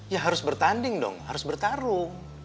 ya harus bertanding dong harus bertarung